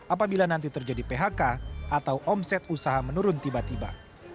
apabila nanti terjadi phk atau omset usaha menurun tiba tiba